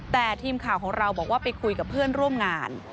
แต่ทีมข่าวของเราบอกว่าไปคุยกับเพื่อนร่วมงาน